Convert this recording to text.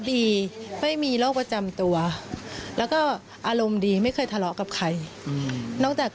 ดีไม่มีโรคประจำตัวแล้วก็อารมณ์ดีไม่เคยทะเลาะกับใครนอกจาก